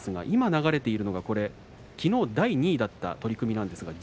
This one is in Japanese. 今流れているのはきのう第２位だった取組です。